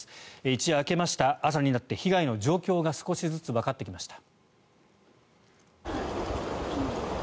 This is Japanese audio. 一夜明けました朝になって被害の状況が少しずつわかってきました。